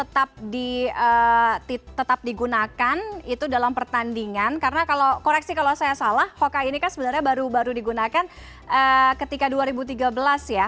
tetap digunakan itu dalam pertandingan karena kalau koreksi kalau saya salah hoka ini kan sebenarnya baru baru digunakan ketika dua ribu tiga belas ya